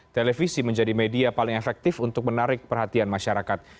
televisi menjadi media paling efektif untuk menarik perhatian masyarakat